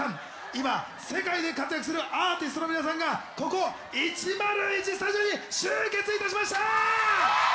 今世界で活躍するアーティストの皆さんがここ１０１スタジオに集結いたしました！